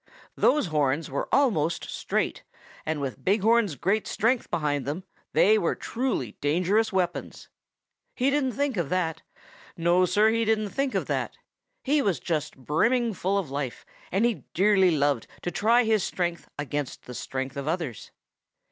Those horns were almost straight, and with Big Horn's great strength behind them, they were truly dangerous weapons. He didn't think of that. No, Sir, he didn't think of that. He was just brimming full of life, and he dearly loved to try his strength against the strength of others.